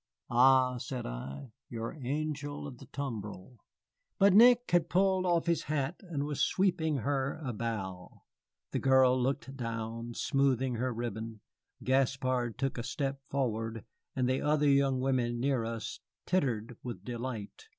"Ah," said I, "your angel of the tumbrel." But Nick had pulled off his hat and was sweeping her a bow. The girl looked down, smoothing her ribbon, Gaspard took a step forward, and other young women near us tittered with delight.